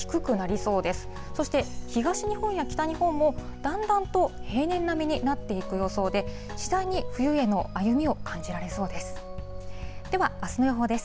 そして、東日本や北日本もだんだんと平年並みになっていく予想で、次第に冬への歩みを感じられそうです。